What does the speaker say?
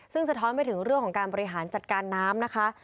ซึ่งสะท้อนไปถึงเรื่องของการบริหารจัดการน้ำนะคะ